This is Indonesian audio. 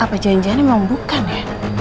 apa janjiannya memang bukan ya